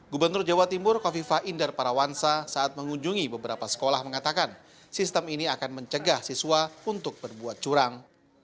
gubernur jawa timur kofifa indar parawansa saat mengunjungi beberapa sekolah mengatakan sistem ini akan mencegah siswa untuk berbuat curang